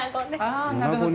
あなるほど。